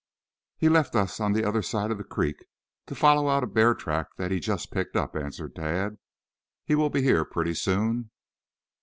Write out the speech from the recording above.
"He left us on the other side of the creek to follow out a bear track that he just picked up," answered Tad. "He will be here pretty soon."